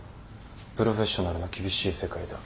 プロフェッショナルの厳しい世界だ。